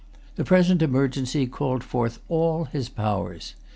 The present emergency called forth all his powers.